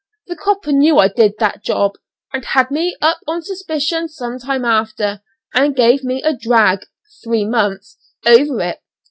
The copper knew I did that job, and had me up on suspicion some time after, and gave me a drag (three months) over it.